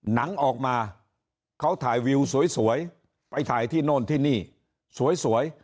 ออกมาเขาถ่ายวิวสวยไปถ่ายที่โน่นที่นี่สวย